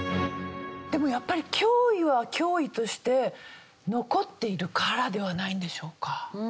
でもやっぱり脅威は脅威として残っているからではないんでしょうか？